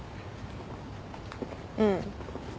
うん。